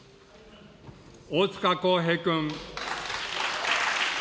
大塚耕平君。